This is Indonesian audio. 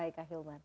baik kak hilmar